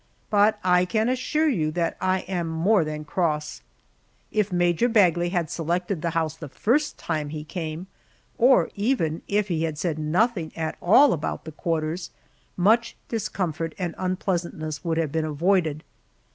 But I can assure you that I am more than cross. If Major Bagley had selected the house the first time he came, or even if he had said nothing at all about the quarters, much discomfort and unpleasantness would have been avoided.